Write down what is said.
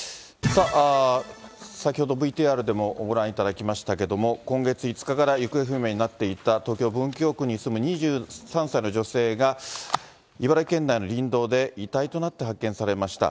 さあ、先ほどＶＴＲでもご覧いただきましたけれども、今月５日から行方不明になっていた、東京・文京区に住む２３歳の女性が、茨城県内の林道で遺体となって発見されました。